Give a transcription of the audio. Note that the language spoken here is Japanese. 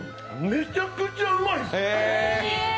めちゃくちゃうまいです！